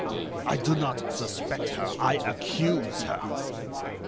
"I do not suspect her; I accuse her."